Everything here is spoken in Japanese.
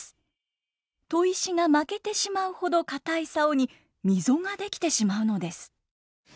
砥石が負けてしまうほど硬い棹に溝が出来てしまうのです。